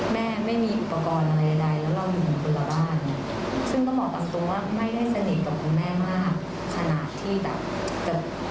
แม่ไม่มีอุปกรณ์อะไรใด